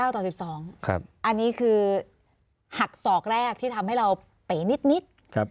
อันนี้คือหักศอกแรกที่ทำให้เราเป๋นิด